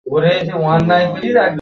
সংজ্ঞা বা নাম দিলেই ব্যাখ্যা করা হয় না।